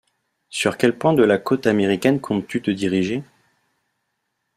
sur quel point de la côte américaine comptes-tu te diriger?